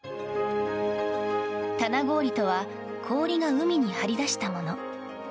棚氷とは氷が海に張り出したもの。